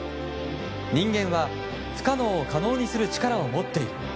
人間は不可能を可能にする力を持っている。